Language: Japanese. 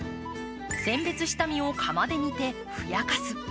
選別した実を釜で煮て、ふやかす。